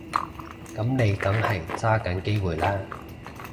噉你梗係揸緊機會啦